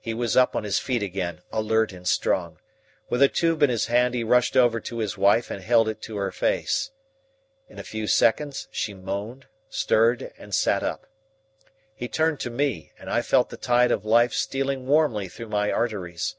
He was up on his feet again, alert and strong. With a tube in his hand he rushed over to his wife and held it to her face. In a few seconds she moaned, stirred, and sat up. He turned to me, and I felt the tide of life stealing warmly through my arteries.